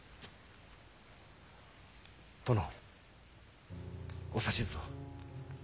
殿お指図を。